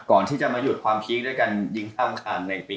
ก่อนที่จะมาหยุดความพีคด้วยกันยิงท่ามขาดในปี๑๙๙๔